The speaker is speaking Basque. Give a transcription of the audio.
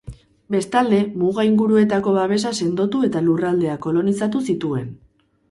Bestalde, muga inguruetako babesa sendotu eta lurraldeak kolonizatu zituen.